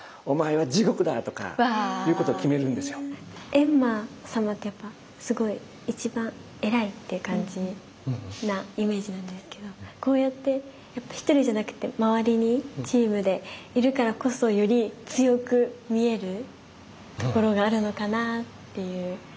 閻魔様ってやっぱすごい一番偉いっていう感じなイメージなんですけどこうやって一人じゃなくて周りにチームでいるからこそより強く見えるところがあるのかなっていう印象がありましたね。